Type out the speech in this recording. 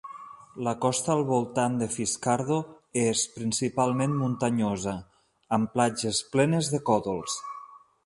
La costa al voltant de Fiskardo és principalment muntanyosa, amb platges plenes de còdols.